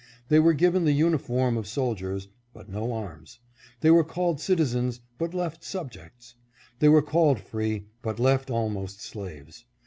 They were given the uniform of soldiers, but no arms ; they were called citizens, but left subjects ; they were called free, but left almost slaves.